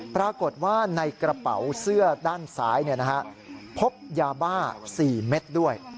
ปรากฏว่าในกระเป๋าเสื้อด้านซ้ายพบยาบ้า๔เม็ดด้วย